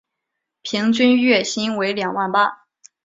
平均月薪为两万八